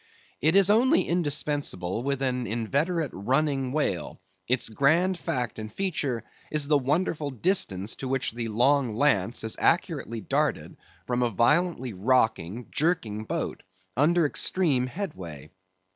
It is only indispensable with an inveterate running whale; its grand fact and feature is the wonderful distance to which the long lance is accurately darted from a violently rocking, jerking boat, under extreme headway.